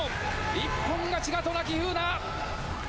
一本勝ちが渡名喜風南。